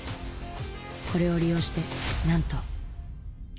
これを利用してなんと。